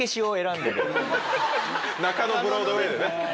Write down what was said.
中野ブロードウェイでね。